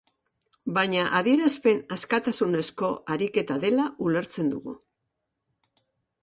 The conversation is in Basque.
Baina adierazpen askatasunezko ariketa dela ulertzen dugu.